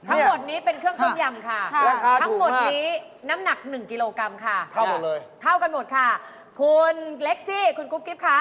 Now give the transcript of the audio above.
ทั้งหมดนี้เป็นเครื่องต้มยำค่ะทั้งหมดนี้น้ำหนัก๑กิโลกรัมค่ะเท่าหมดเลยเท่ากันหมดค่ะคุณเล็กซี่คุณกุ๊กกิ๊บค่ะ